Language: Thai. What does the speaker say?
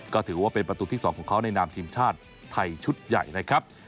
ก็ถือว่าเป็นประตูที่๒ของเขาในนามทีมชาติไทยชุดใหญ่นะครับ